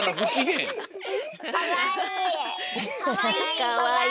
かわいい！